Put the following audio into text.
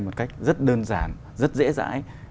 một cách rất đơn giản rất dễ dãi